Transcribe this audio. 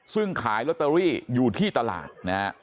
ซึ่งขายลอตเตอรี่อยู่ที่ตลาดนะฮะ